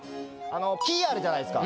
木あるじゃないっすか。